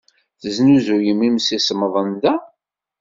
Tesnuzuyem imsisemḍen da?